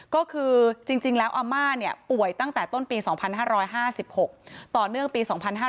ก็คือจริงแล้วอาม่าป่วยตั้งแต่ต้นปี๒๕๕๖ต่อเนื่องปี๒๕๕๙